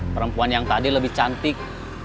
perempuan yang tadi lebih cantik